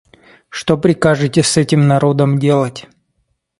Что прикажете с этим народом делать?